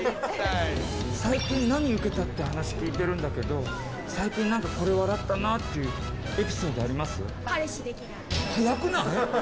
最近何にウケたって話聞いてるんだけど最近これ笑ったなっていうエピソードあります？